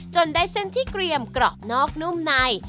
ได้เส้นที่เกรียมกรอบนอกนุ่มใน